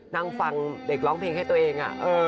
นั่งฟังเด็กร้องเพลงให้ตัวเอง